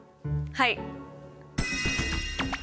はい！